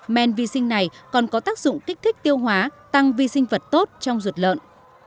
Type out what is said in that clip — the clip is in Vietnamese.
men vi sinh này còn có tác dụng kích thích tiêu hóa tăng vi sinh vật tốt trong ruột lợn